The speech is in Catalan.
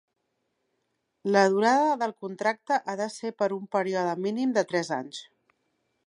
La durada del contracte ha de ser per un període mínim de tres anys.